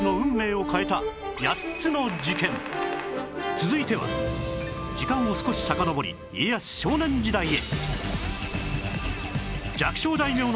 続いては時間を少しさかのぼり家康少年時代へ